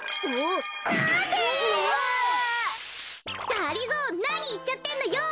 がりぞーなにいっちゃってんのよ。